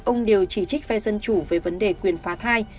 ông đều chỉ trích phe dân chủ về vấn đề quyền phá thai